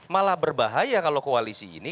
malah berbahaya kalau koalisi ini